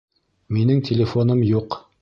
Минең телефоным юҡ